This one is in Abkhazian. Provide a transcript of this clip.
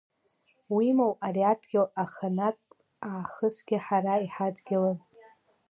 Уимоу, ари адгьыл аханатә аахысгьы ҳара иҳадгьылын.